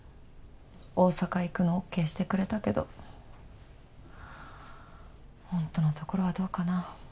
大阪行くのＯＫしてくれたけどほんとのところはどうかな？